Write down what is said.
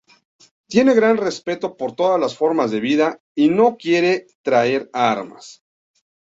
Tiene gran respeto por todas las formas de vida y no quiere traer armas.